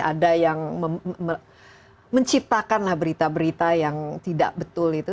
ada yang menciptakan berita berita yang tidak betul itu